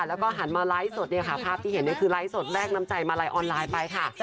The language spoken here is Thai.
แล้วก็หันมาไลฟ์สดเนี่ยค่ะภาพที่เห็นคือไลฟ์สดแลกน้ำใจมาลัยออนไลน์ไปค่ะ